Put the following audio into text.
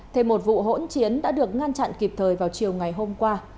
thêm một vụ hỗn chiến đã được ngăn chặn kịp thời vào chiều ngày hôm qua